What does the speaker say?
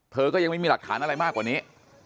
เธอก็ยังไม่มีหลักฐานอะไรมากกว่านี้